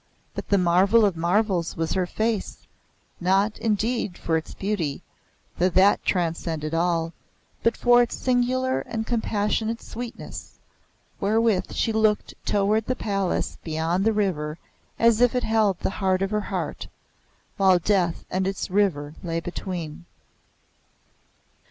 But the marvel of marvels was her face not, indeed, for its beauty, though that transcended all, but for its singular and compassionate sweetness, wherewith she looked toward the Palace beyond the river as if it held the heart of her heart, while death and its river lay between.